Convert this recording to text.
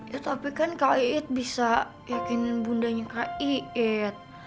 ya tapi kan kak iit bisa yakinin bundanya kak iit